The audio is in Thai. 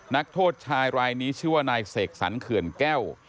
นักโทษชายรายนี้ชื่อว่านายเสกสรรเขื่อนแก้ว